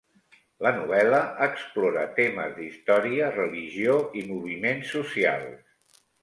La novel·la explora temes d'història, religió i moviments socials.